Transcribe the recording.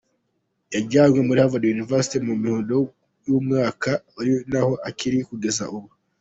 Yajyanywe muri Havard University mu muhindo w’uyu mwaka ari naho akiri kugeza ubu.